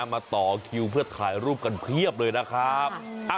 มาต่อคิวเพื่อถ่ายรูปกันเพียบเลยนะครับ